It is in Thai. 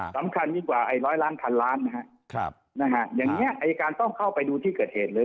สำคัญยิ่งกว่าไอ้ร้อยล้านพันล้านนะฮะอย่างนี้อายการต้องเข้าไปดูที่เกิดเหตุเลย